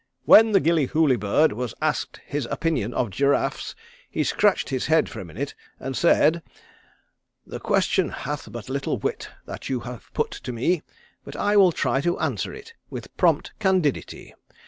When the Gillyhooly bird was asked his opinion of giraffes, he scratched his head for a minute and said, "'The question hath but little wit That you have put to me, But I will try to answer it With prompt candidity.